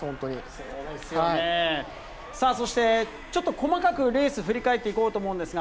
さあ、そしてちょっと細かくレース振り返っていこうと思うんですが、